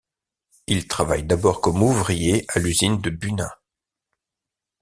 Il travaille d'abord comme ouvrier à l'usine de Buna.